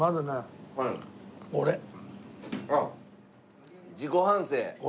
あっ自己反省？俺。